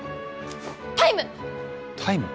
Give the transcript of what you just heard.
タイム！